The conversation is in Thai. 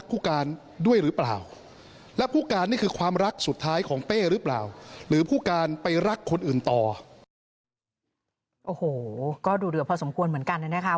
ก็ดูดื่อพอสมควรเหมือนกันนะคะ